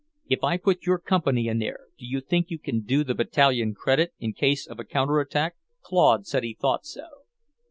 If I put your company in there, do you think you can do the Battalion credit in case of a counter attack?" Claude said he thought so.